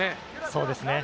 そうですね。